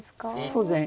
そうですね。